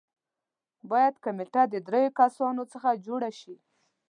باید کمېټه د دریو کسانو څخه جوړه شي.